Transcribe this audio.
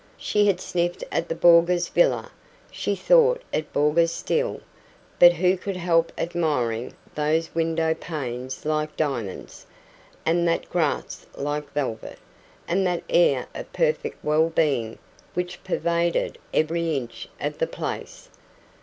She had sniffed at the bourgeois villa she thought it bourgeois still but who could help admiring those windowpanes like diamonds, and that grass like velvet, and that air of perfect well being which pervaded every inch of the place?